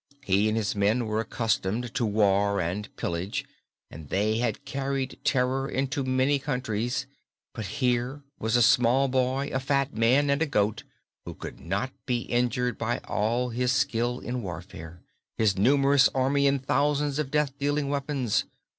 He and his men were accustomed to war and pillage and they had carried terror into many countries, but here was a small boy, a fat man and a goat who could not be injured by all his skill in warfare, his numerous army and thousands of death dealing weapons.